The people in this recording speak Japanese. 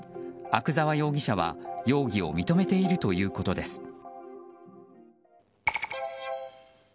阿久沢容疑者は容疑を認めているということです。